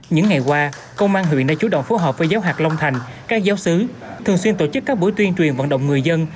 những ngày qua công an huyện đã chủ động phối hợp với giáo hạt long thành các giáo sứ thường xuyên tổ chức các buổi tuyên truyền vận động người dân